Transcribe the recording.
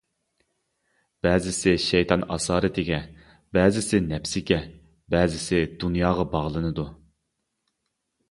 بەزىسى شەيتان ئاسارىتىگە، بەزىسى نەپسىگە بەزىسى دۇنياغا باغلىنىدۇ.